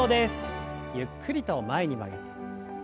ゆっくりと前に曲げて。